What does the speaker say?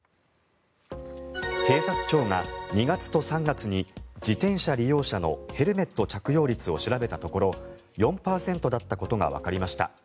警察庁が２月と３月に自転車利用者のヘルメット着用率を調べたところ４％だったことがわかりました。